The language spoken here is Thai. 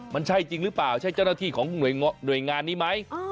มันใช่จริงหรือเปล่าใช่เจ้าหน้าที่ของหน่วยงานนี้ไหม